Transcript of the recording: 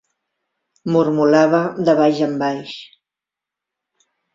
Mormolava de baix en baix